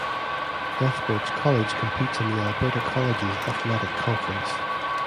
Lethbridge College competes in the Alberta Colleges Athletic Conference.